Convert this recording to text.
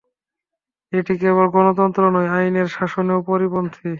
এটি কেবল গণতন্ত্র নয়, আইনের শাসনেরও পরিপন্থী।